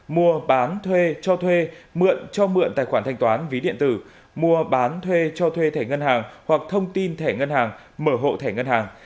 mua bán thuê cho thuê mượn cho mượn tài khoản thanh toán ví điện tử mua bán thuê cho thuê thẻ ngân hàng hoặc thông tin thẻ ngân hàng mở hộ thẻ ngân hàng